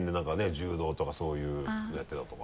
柔道とかそういうのやってたとか。